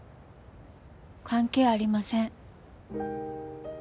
関係ありません。